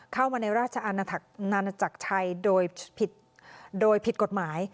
เข้ามาในราชอาณาจักรชัยโดยผิดกฎหมาย